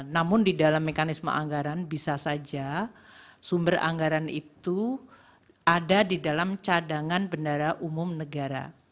namun di dalam mekanisme anggaran bisa saja sumber anggaran itu ada di dalam cadangan bendara umum negara